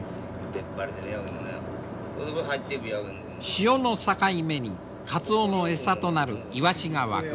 潮の境目にカツオの餌となるイワシが湧く。